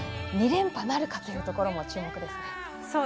２連覇なるかというところも注目ですね。